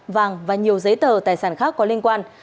vàng và nhiều giấy tờ tài sản khác có liên quan